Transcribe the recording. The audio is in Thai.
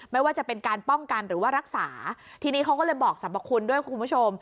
ไม่ว่าจะเป็นการป้องกันหรือว่ารักษาทีนี้เขาก็เลยบอกสรรพคุณด้วยคุณผู้ชม